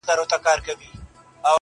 نن که یې ماشومه سبا پېغله ښایسته یې -